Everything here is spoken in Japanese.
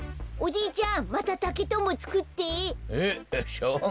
おじいちゃんまたたけとんぼつくって！